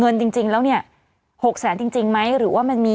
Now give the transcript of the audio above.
จริงแล้วเนี่ยหกแสนจริงจริงไหมหรือว่ามันมี